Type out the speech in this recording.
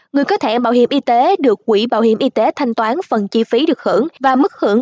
người có thể bảo hiểm y tế được quỹ bảo hiểm y tế thanh toán phần chi phí được hưởng và mức hưởng